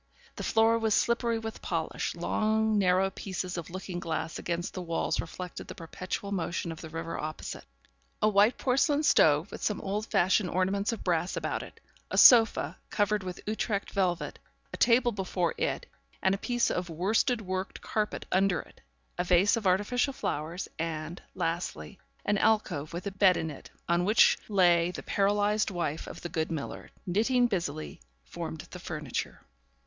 The floor was slippery with polish; long narrow pieces of looking glass against the walls reflected the perpetual motion of the river opposite; a white porcelain stove, with some old fashioned ornaments of brass about it; a sofa, covered with Utrecht velvet, a table before it, and a piece of worsted worked carpet under it; a vase of artificial flowers; and, lastly, an alcove with a bed in it, on which lay the paralysed wife of the good miller, knitting busily, formed the furniture.